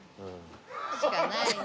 しかないね。